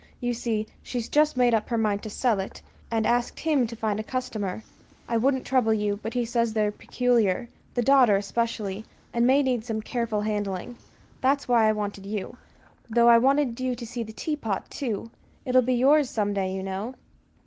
You see, she's just made up her mind to sell it, and asked him to find a customer. I wouldn't trouble you, but he says they're peculiar the daughter, especially and may need some careful handling. That's why I wanted you though I wanted you to see the tea pot, too, it'll be yours some day, you know."